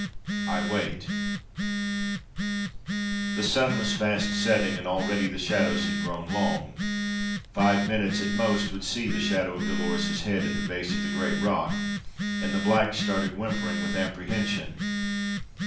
I wait." The sun was fast setting, and already the shadows had grown long. Five minutes at most would see the shadow of Dolores's head at the base of the great rock, and the blacks started whimpering with apprehension.